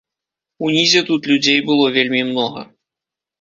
Унізе тут людзей было вельмі многа.